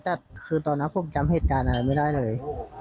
แต่คือตอนนั้นผมจำเหตุการณ์อะไรไม่ได้เลย